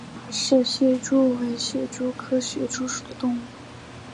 卡氏蟹蛛为蟹蛛科蟹蛛属的动物。